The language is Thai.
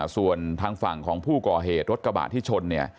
ส่วนทางฝั่งของผู้ก่อเหตุรถกระบะที่ชนเนี่ย